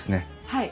はい。